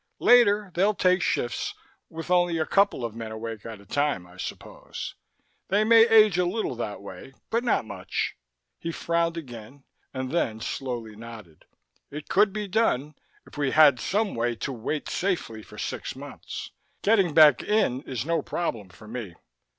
Later, they'll take shifts, with only a couple of men awake at a time, I suppose. They may age a little that way, but not much." He frowned again, and then slowly nodded. "It could be done, if we had some way to wait safely for six months. Getting back in is no problem for me."